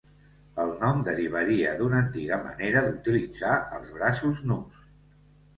El nom derivaria d'una antiga manera d'utilitzar els braços nus.